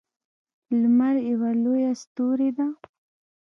لمر یوه لویه ستوری ده